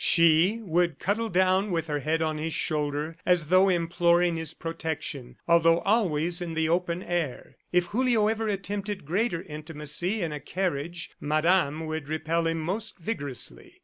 She would cuddle down with her head on his shoulder, as though imploring his protection, although always in the open air. If Julio ever attempted greater intimacy in a carriage, madame would repel him most vigorously.